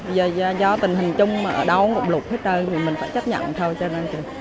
bây giờ do tình hình chung mà ở đâu cũng lụt hết trơn thì mình phải chấp nhận thôi cho răng trừ